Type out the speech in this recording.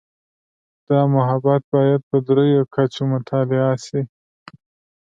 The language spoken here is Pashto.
دا مبحث باید په درېیو کچو مطالعه شي.